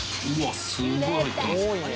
すごい入ってますね。